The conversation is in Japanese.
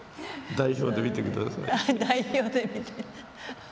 代表で見て。